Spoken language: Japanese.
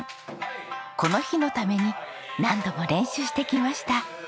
この日のために何度も練習してきました。